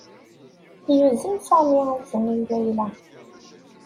Yuzen Sami izen i Layla.